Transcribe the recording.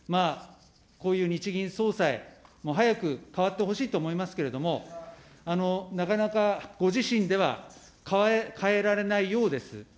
こういう日銀総裁、もう早く代わってほしいと思いますけれども、なかなかご自身では代えられないようです。